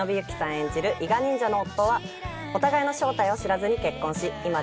演じる伊賀忍者の夫はお互いの正体を知らずに結婚し今では破綻寸前。